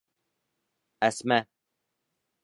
Әсмә